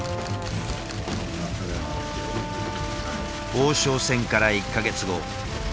王将戦から１か月後。